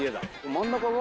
真ん中が？